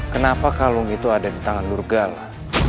kenapa kalung itu ada di tangan lurgala